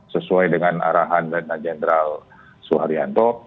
sesuai dengan arahan benda jenderal soeharianto